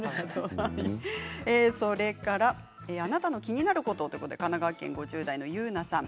それからあなたの気になることということで、神奈川県５０代の方です。